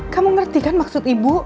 kamu ngerti kan maksud ibu